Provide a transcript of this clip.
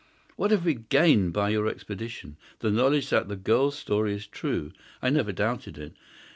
What have we gained by your expedition? The knowledge that the girl's story is true. I never doubted it.